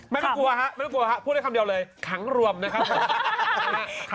ไม่ต้องกลัวครับพูดได้คำเดียวเลยขังรวมนะครับ